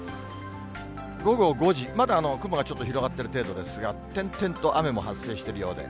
午後５時、まだ雲がちょっと広がっている程度ですが、点々と雨も発生しているようで。